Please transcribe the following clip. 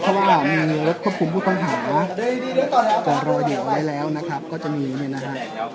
เพราะว่ามีรถควบคุมผู้ต้องหาได้โรยไว้แล้วนะครับก็จะมีเนี่ยนะฮะ